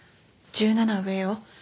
１７上よ。